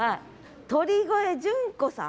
鳥越淳子さん。